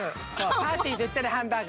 パーティーといったらハンバーグ。